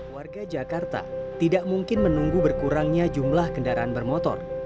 warga jakarta tidak mungkin menunggu berkurangnya jumlah kendaraan bermotor